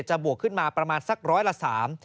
บวกขึ้นมาประมาณสักร้อยละสาม